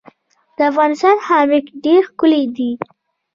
د افغانستان خامک ډیر ښکلی دی